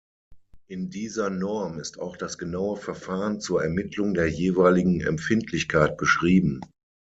In dieser Norm ist auch das genaue Verfahren zur Ermittlung der jeweiligen Empfindlichkeit beschrieben.